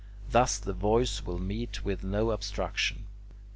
Thus the voice will meet with no obstruction.